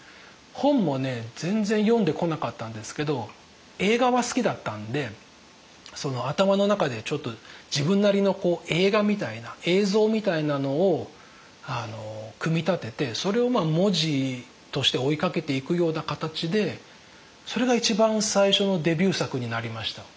本もね全然読んでこなかったんですけど映画は好きだったんで頭の中でちょっと自分なりの映画みたいな映像みたいなのを組み立ててそれを文字として追いかけていくような形でそれが一番最初のデビュー作になりました。